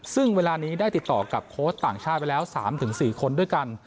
ซึ่งเวลานี้ได้ติดต่อกับโค้ชต่างชาติไปแล้ว๓๔คนด้วยกัน